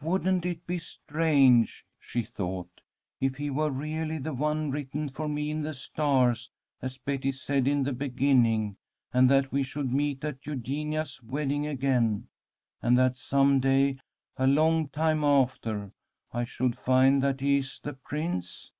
"Wouldn't it be strange," she thought, "if he were really the one written for me in the stars, as Betty said in the beginning, and that we should meet at Eugenia's wedding again, and that some day, a long time after, I should find that he is the prince?